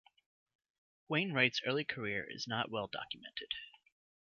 Wainwright's early career is not well documented.